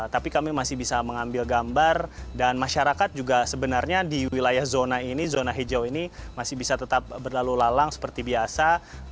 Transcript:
tapi kami masih bisa mengambil gambar dan masyarakat juga sebenarnya di wilayah zona ini zona hijau ini masih bisa tetap berlalu lalang seperti biasa